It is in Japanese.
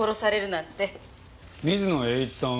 水野英一さん